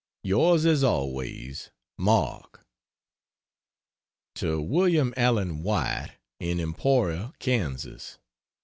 Yours as always MARK. To William Allen White, in Emporia, Kans.